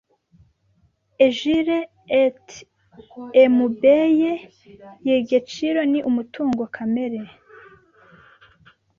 Egire et, “Emebuye y’egeciro ni umutungo kemere